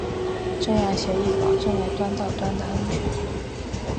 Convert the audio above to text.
这样协议保证了端到端的安全。